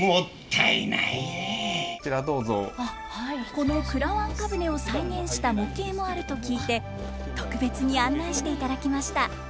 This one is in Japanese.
このくらわんか舟を再現した模型もあると聞いて特別に案内していただきました。